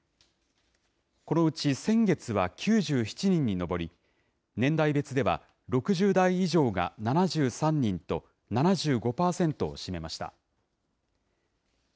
このうち先月は９７人に上り、年代別では、６０代以上が７３人と、７５％を占めました。